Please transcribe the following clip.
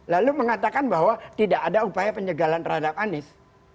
lalu mengatakan bahwa tidak ada upaya penyegalan terhadap anies